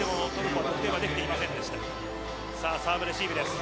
サーブレシーブです。